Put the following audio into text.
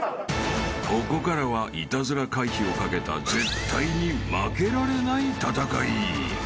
［ここからはイタズラ回避を懸けた絶対に負けられない戦い］